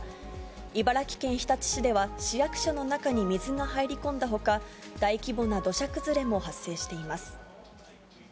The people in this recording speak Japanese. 茨城県日立市では市役所の中に水が入り込んだ他、大規模な土砂崩れも発生しています。